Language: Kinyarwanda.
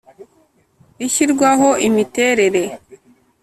Ishyirwaho imiterere